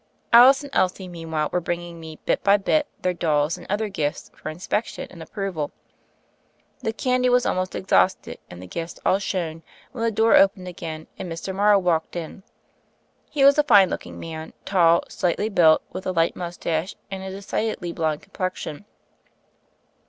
Alice and Elsie, meanwhile, were bringing me, bit by bit, their dolls and other gifts for inspec tion and approval. The candy was almost ex hausted and the gifts all shown, when the door opened again, and Mr. Morrow walked in. He was a fine looking man, tall, slightly built, with THE FAIRY OF THE SNOWS 79 a light mustache and a decidedly blonde com plexion.